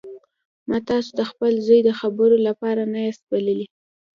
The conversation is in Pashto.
ما تاسو د خپل زوی د خبرو لپاره نه یاست بللي